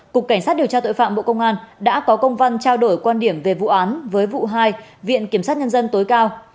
cục cảnh sát điều tra tội phạm bộ công an đã có công văn trao đổi quan điểm về vụ án với vụ hai viện kiểm sát nhân dân tối cao